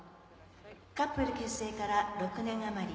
カップル結成から６年余り。